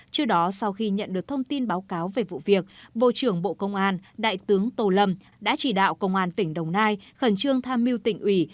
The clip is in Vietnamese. trước đó sau khi nhận được thông tin báo cáo về vụ việc bộ trưởng bộ công an đại tướng tô lâm đã chỉ đạo công an tỉnh đồng nai khẩn trương tham mưu tỉnh ủy